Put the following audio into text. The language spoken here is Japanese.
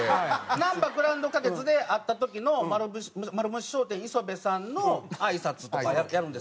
なんばグランド花月で会った時のまるむし商店磯部さんのあいさつとかやるんですよ。